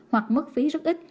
hoặc mất phí rất ít